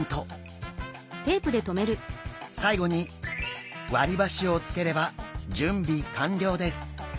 最後に割り箸をつければ準備完了です！